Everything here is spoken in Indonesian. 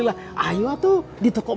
salah beautiful t note